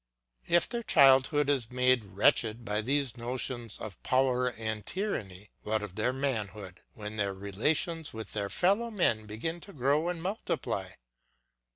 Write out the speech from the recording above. If their childhood is made wretched by these notions of power and tyranny, what of their manhood, when their relations with their fellow men begin to grow and multiply?